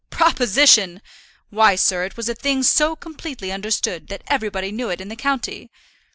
"Proposition! Why, sir, it was a thing so completely understood that everybody knew it in the county.